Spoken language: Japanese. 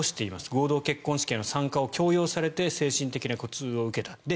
合同結婚式への参加を強要されて精神的な苦痛を受けた。